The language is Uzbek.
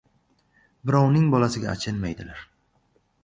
• Birovning bolasiga achinmaydilar.